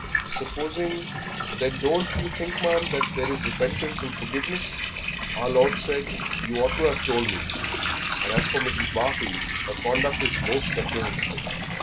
Supposing " "Then don't you think, ma'am, there is repentance and forgiveness? Our Lord said " "You ought to have told me; and as for Mrs. Barfield, her conduct is most reprehensible."